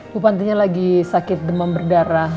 bu pantinya lagi sakit demam berdarah